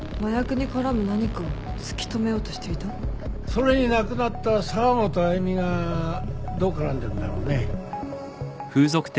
それに亡くなった澤本歩美がどう絡んでるんだろうね。